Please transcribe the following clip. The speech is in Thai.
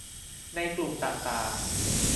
ในกลุ่มต่างต่าง